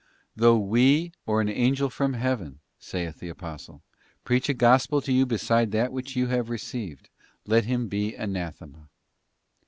' Though we or an angel from Heaven,' saith the Apostle, ' preach a gospel to you beside that which you have received, let him be anathema.